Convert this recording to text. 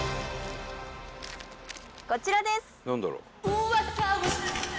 こちらです。